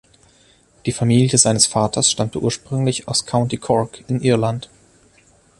Die Familie seines Vaters stammte ursprünglich aus County Cork in Irland.